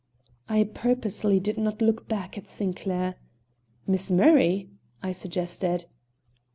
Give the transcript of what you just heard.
I purposely did not look back at Sinclair. "Miss Murray?" I suggested.